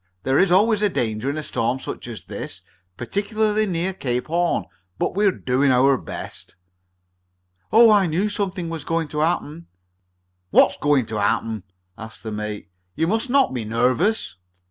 There is always danger in a storm such as this is, particularly near Cape Horn. But we're doing our best." "Oh! I knew something was going to happen!" "What's going to happen?" asked the mate. "You must not be so nervous."